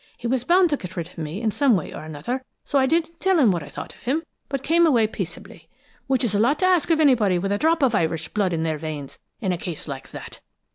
He was bound to get rid of me in some way or another, so I didn't tell him what I thought of him, but came away peaceably which is a lot to ask of anybody with a drop of Irish blood in their veins, in a case like that!